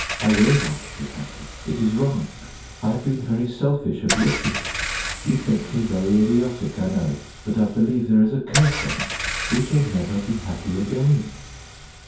I will not be happy. It is wrong. I have been very selfish and wicked. You think me very idiotic, I know, but I believe there is a curse on us. We shall never be happy again."